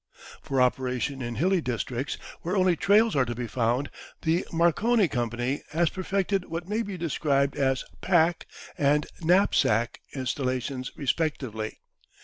For operation in hilly districts, where only trails are to be found, the Marconi Company, has perfected what may be described as "pack" and "knapsack" installations respectively.